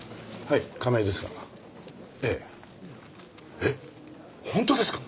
えっ本当ですか！？